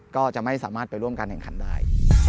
ก็จะไม่สามารถไปร่วมการแข่งขันได้